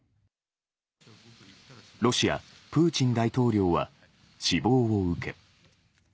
ロシア、プーチン大統領は死亡を受け。